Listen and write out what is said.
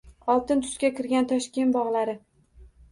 Oltin tusga kirgan Toshkent bog‘lari